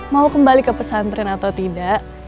mau kembali ke pesantren atau tidak